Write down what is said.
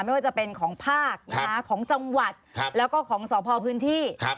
ไม่ว่าจะเป็นของภาคของจังหวัดแล้วก็ของสพพื้นที่